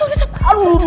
aduh aduh aduh aduh